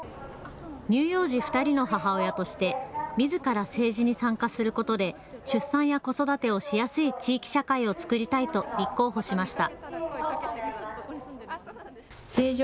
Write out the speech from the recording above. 乳幼児２人の母親としてみずから政治に参加することで出産や子育てをしやすい地域社会を作りたいと立候補しました。